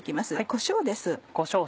こしょうです。